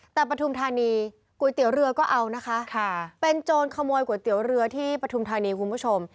แต่ปฐุมธานีก๋วยเตี๋ยวเรือก็เอานะคะเป็นโจรขโมยก๋วยเตี๋ยวเรือที่ปฐุมธานีคุณผู้ชม